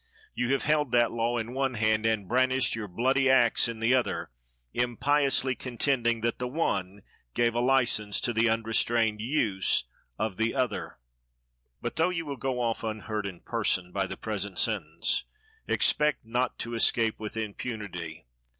You have held that law in one hand, and brandished your bloody axe in the other, impiously contending that the one gave a license to the unrestrained use of the other. But, though you will go off unhurt in person, by the present sentence, expect not to escape with impunity.